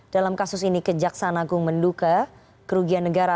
dalam kasus ini kejaksaan agung menduga kerugian negara